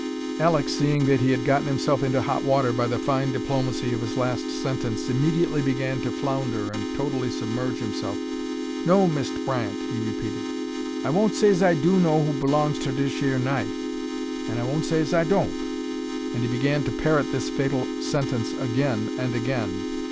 Alek, seeing that he had gotten himself into hot water by the fine diplomacy of his last sentence, immediately began to flounder and totally submerge himself. "No, Mist' Bryant," he repeated, "I won't say 's I do know who b'longs ter dish yer knife, an' I won't say 's I don't." And he began to parrot this fatal sentence again and again.